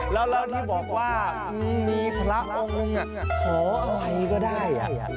แล้วที่บอกว่ามีพระองค์หนึ่งขออะไรก็ได้